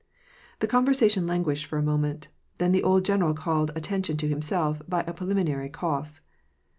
The conversation languished for a moment ; then the old general called attention to himself, by a preliminary cough.